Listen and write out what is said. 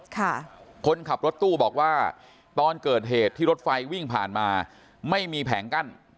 คนขับรถตู้บอกว่าตอนเกิดเหตุที่รถไฟวิ่งผ่านมาไม่มีแผงกั้น